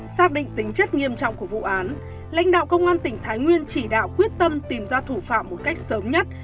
xác định tính chất nghiêm trọng của vụ án lãnh đạo công an tỉnh thái nguyên chỉ đạo quyết tâm tìm ra thủ phạm một cách sớm nhất